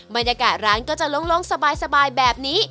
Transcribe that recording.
บรรยากาศร้านก็จะโล่งสบายแบบนี้